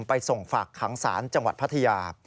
ไปส่งฝากขังศาลจังหวัดพัทยา